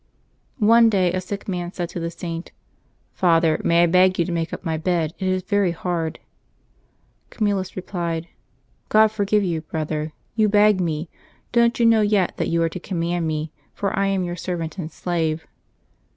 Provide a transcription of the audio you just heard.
One day a sick man &aid to the Saint, " Father, may I beg ypu to make up my bed ? it is very hard.^' Camillus replied, '^ God forgive you, brother ! You beg me ! Don't you know yet that you are to command me, for I am your servant and slave.'